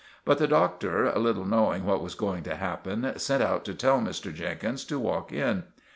But the Doctor, little knowing what was going to happen, sent out to tell Mr. Jenkins to walk in.